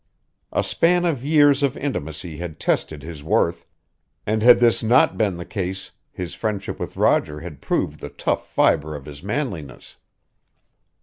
A span of years of intimacy had tested his worth, and had this not been the case his friendship with Roger had proved the tough fiber of his manliness.